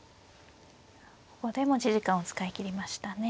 ここで持ち時間を使い切りましたね。